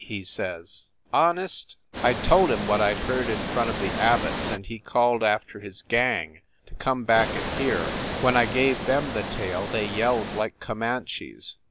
he says; "Honest?" I told him what I d heard in front of the Abbots and he called after his gang to come back and hear. When I gave them the tale they yelled like Co manches.